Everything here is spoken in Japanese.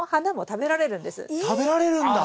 食べられるんだ！